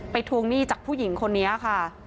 ทวงหนี้จากผู้หญิงคนนี้ค่ะ